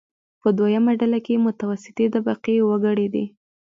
په دویمه ډله کې متوسطې طبقې وګړي دي.